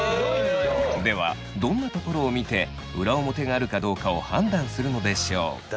ではどんなところを見て裏表があるかどうかを判断するのでしょう。